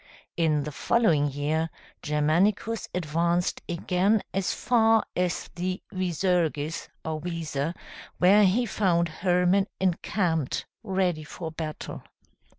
In the following year, Germanicus advanced again as far as the Visurgis, or Weser, where he found Hermann encamped ready for battle.